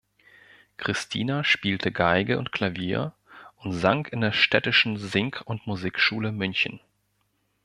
Kristina spielte Geige und Klavier und sang in der Städtischen Sing- und Musikschule München.